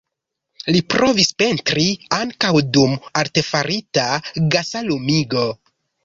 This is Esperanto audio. Li provis pentri ankaŭ dum artefarita, gasa lumigo.